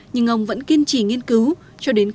nhưng ông vẫn kiên trì nghiên cứu